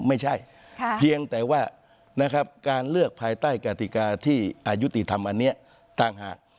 ไม่ใช่เพียงแต่ว่านะครับการเลือกภายใต้กติกาที่อายุติธรรมอันนี้ต่างหาก